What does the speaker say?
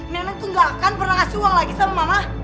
nenek tuh gak akan pernah ngasih uang lagi sama mama